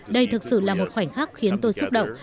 đây thực sự là một khoảnh khắc khiến tôi xúc động